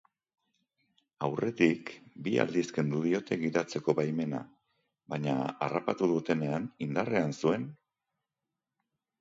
Aurretik bi aldiz kendu diote gidatzeko baimena, baina harrapatu dutenean indarrean zuen.